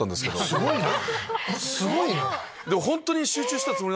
すごいな。